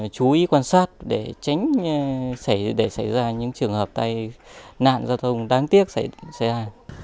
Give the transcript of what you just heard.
chú ý quan sát để tránh xảy ra những trường hợp tai nạn giao thông đáng tiếc xảy ra